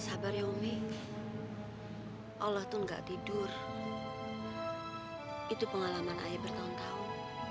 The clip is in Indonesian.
sabar ya umi allah tuh nggak tidur itu pengalaman ayah bertahun tahun